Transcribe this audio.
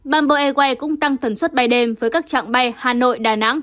bamboeway cũng tăng tần suất bay đêm với các trạng bay hà nội đà nẵng